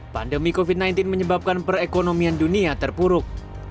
pandemi covid sembilan belas menyebabkan perekonomian dunia terpuruk